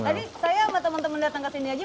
tadi saya sama teman teman datang ke sini aja